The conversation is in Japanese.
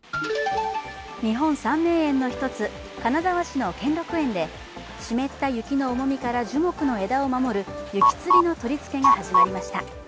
日本三名園の一つ金沢市の兼六園で湿った雪の重みから樹木の枝を守る雪つりの取り付けが始まりました。